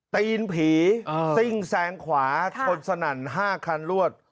ตีนผีซิ่งแซงขวาชนสนั่น๕คันรวด